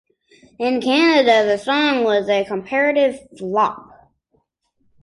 In Canada, the song was a comparative flop.